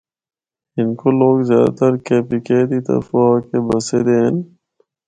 ہندکو لوگ زیادہ تر کے پی کے دی طرفو آکے بسے دے ہن۔